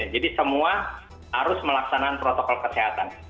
jadi semua harus melaksanakan protokol kesehatan